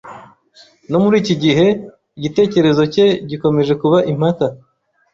No muri iki gihe, igitekerezo cye gikomeje kuba impaka.